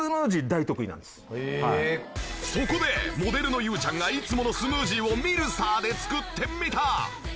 そこでモデルのユウちゃんがいつものスムージーをミルサーで作ってみた。